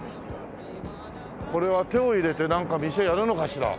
これは手を入れてなんか店をやるのかしら？